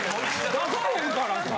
出さへんからさ。